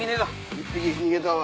１匹逃げたわ！